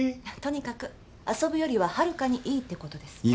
とにかく遊ぶよりははるかにいいってことです。